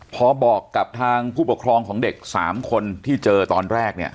พอบอกกับทางผู้ปกครองของเด็ก๓คนที่เจอตอนแรกเนี่ย